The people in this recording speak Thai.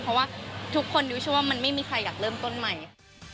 เพราะว่าทุกคนดิวเชื่อว่ามันไม่มีใครอยากเริ่มต้นใหม่